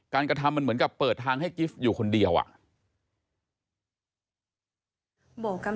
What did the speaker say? กระทำมันเหมือนกับเปิดทางให้กิฟต์อยู่คนเดียวอ่ะ